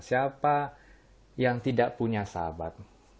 siapa yang tidak punya sahabat